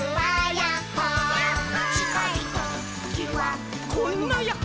やっほー☆「ちかいときはこんなやっほ」